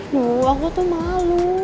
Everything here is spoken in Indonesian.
duh aku tuh malu